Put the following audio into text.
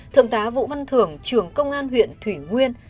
thượng tá vũ văn thường trường công an huyện thủy nguyên